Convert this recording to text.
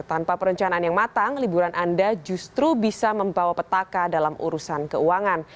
tanpa perencanaan yang matang liburan anda justru bisa membawa petaka dalam urusan keuangan